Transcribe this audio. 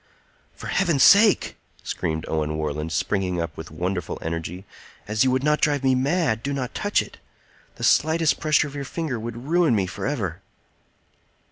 "For Heaven's sake," screamed Owen Warland, springing up with wonderful energy, "as you would not drive me mad, do not touch it! The slightest pressure of your finger would ruin me forever."